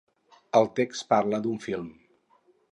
El text parla d'un film?